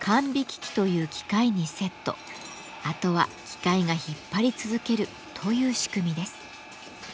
あとは機械が引っ張り続けるという仕組みです。